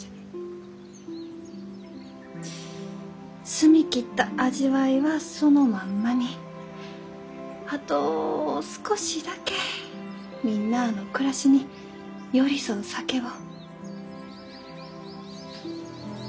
澄み切った味わいはそのまんまにあと少しだけみんなあの暮らしに寄り添う酒を。